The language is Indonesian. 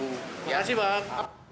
terima kasih bang